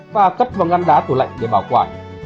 và cất bằng ngăn đá tủ lạnh để bảo quản